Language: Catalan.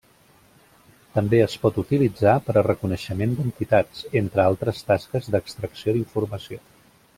També es pot utilitzar per a reconeixement d'entitats, entre altres tasques d'extracció d'informació.